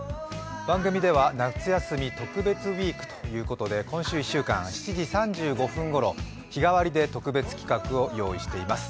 番組では「夏休みスペシャルＷＥＥＫ」ということで今週１週間７時３５分ごろ、日替わりで特別企画をご用意しています